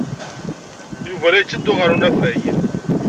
Yuba la yetteddu ɣer unafag.